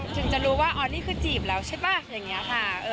ถึงจะรู้ว่าอ๋อนี่คือจีบแล้วใช่ป่ะอย่างนี้ค่ะ